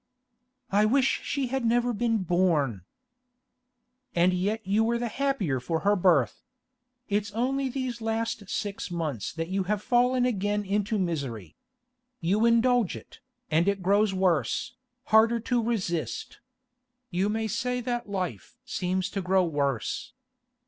'I wish she had never been born!' 'And yet you were the happier for her birth. It's only these last six months that you have fallen again into misery. You indulge it, and it grows worse, harder to resist. You may say that life seems to grow worse.